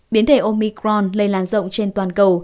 biến thể omicron lây lan rộng trên toàn cầu